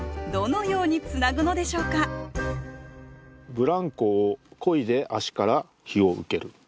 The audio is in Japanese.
「ブランコをこいで足から陽を受ける」。